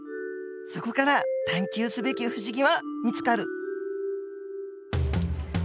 そこから探究すべき不思議は見つかる